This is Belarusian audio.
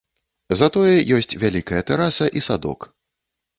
Затое ёсць вялікая тэраса і садок.